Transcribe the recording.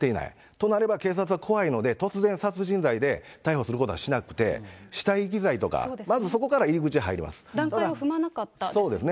となれば、警察は怖いので、突然殺人罪で逮捕することはしなくて、死体遺棄罪とか、段階を踏まなかったですよね。